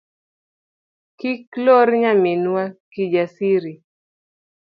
Kiki lor nyaminwa Kijasiri.